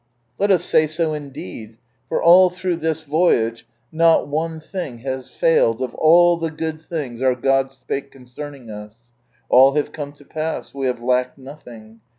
Let us say so indeed ; for all through this voyage, not one thing hath failed of all the good things our God spake concerning us. .\11 have come to pass; wc have lacked nothing.